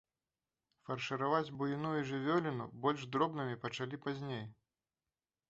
Фаршыраваць буйную жывёліну больш дробнымі пачалі пазней.